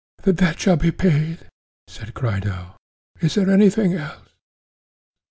The debt shall be paid, said Crito; is there anything else?